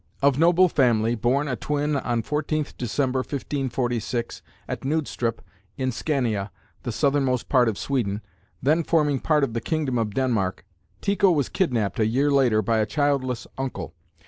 Of noble family, born a twin on 14th December, 1546, at Knudstrup in Scania (the southernmost part of Sweden, then forming part of the kingdom of Denmark), Tycho was kidnapped a year later by a childless uncle.